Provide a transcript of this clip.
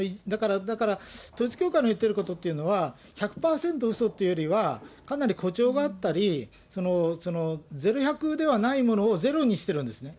だから、統一教会の言ってることっていうのは、１００％うそというよりは、かなり誇張があったり、ゼロ百ではないものを、ゼロにしてるんですね。